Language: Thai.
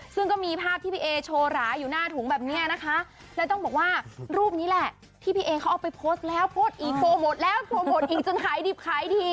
ซึ่งก็มีภาพที่พี่เอโชว์หราอยู่หน้าถุงแบบนี้นะคะแล้วต้องบอกว่ารูปนี้แหละที่พี่เอเขาเอาไปโพสต์แล้วโพสต์อีกโปรโมทแล้วโปรโมทอีกจนขายดิบขายดี